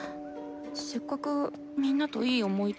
せっかくみんなといい思い出。